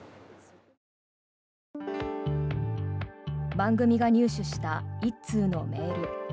番組が入手した１通のメール。